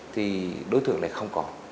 thì đối tượng này không có